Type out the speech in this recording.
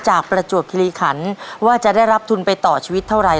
ประจวบคิริขันว่าจะได้รับทุนไปต่อชีวิตเท่าไร